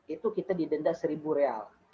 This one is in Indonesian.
itu kita didenda seribu real